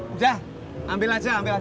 udah ambil aja ambil aja